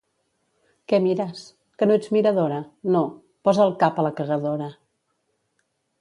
—Què mires? —Que no ets miradora? —No. —Posa el cap a la cagadora!